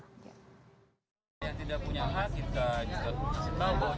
yang tidak punya hak kita juga kasih tahu bahwa cukup lah ya